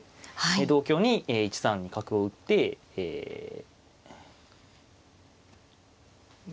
同香に１三角を打ってえま